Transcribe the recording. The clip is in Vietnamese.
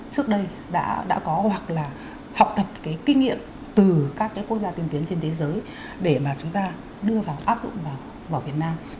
trước đây đã có hoặc là học thật cái kinh nghiệm từ các cái quốc gia tiên tiến trên thế giới để mà chúng ta đưa vào áp dụng và ở việt nam